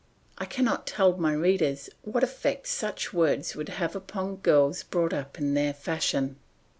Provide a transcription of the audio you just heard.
I cannot tell my readers what effect such words would have upon girls brought up in their fashion.